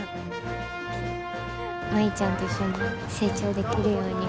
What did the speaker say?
舞ちゃんと一緒に成長できるように。